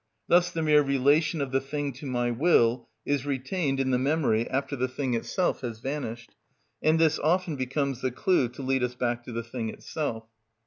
Thus the mere relation of the thing to my will is retained in the memory after the thing itself has vanished, and this often becomes the clue to lead us back to the thing itself.